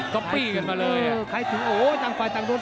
ก็ปี้กันมาเลยใครถึงโอ้โหต่างฝ่ายต่างโดน